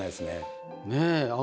ねえ。